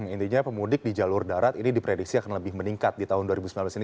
intinya pemudik di jalur darat ini diprediksi akan lebih meningkat di tahun dua ribu sembilan belas ini